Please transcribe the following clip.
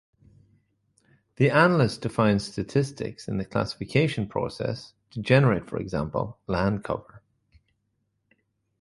The analyst defines statistics in the classification process to generate for example land cover.